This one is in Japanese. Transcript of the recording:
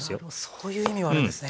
そういう意味があるんですね